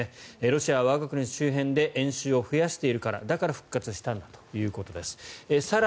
ロシアは我が国の周辺で演習を増やしているからだから復活したんだということです。